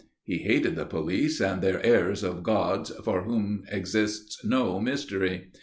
He hated the police and their airs of gods for whom exists no mystery.